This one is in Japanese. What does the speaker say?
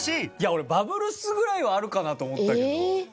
俺バブルスぐらいはあるかなと思ったけど。